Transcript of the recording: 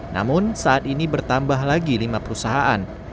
namun saat ini bertambah lagi lima perusahaan